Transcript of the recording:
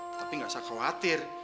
tapi gak usah khawatir